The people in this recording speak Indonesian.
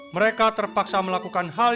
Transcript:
mereka terpaksa melakukan hal yang sangat penting